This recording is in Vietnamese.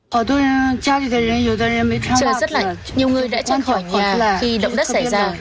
trên mặt đất rất lạnh nhiều người đã chạy khỏi nhà khi động đất xảy ra